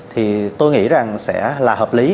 thì tôi nghĩ rằng sẽ là hợp lý